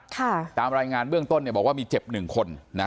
ตามรายงานเบื้องต้นเนี่ยบอกว่ามีเจ็บหนึ่งคนนะ